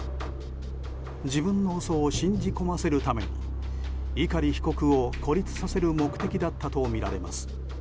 自分の嘘を信じ込ませるために碇被告を孤立させる目的だったとみられます。